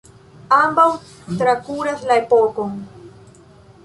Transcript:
Ambaŭ trakuras la epokon.